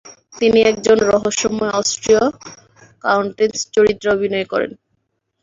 তিনি একজন রহস্যময় অস্ট্রিয় কাউন্টেস চরিত্রে অভিনয় করেন।